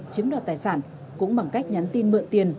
chiếm đoạt tài sản cũng bằng cách nhắn tin mượn tiền